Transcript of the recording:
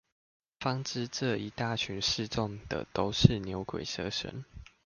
方知這一大群示眾的都是牛鬼蛇神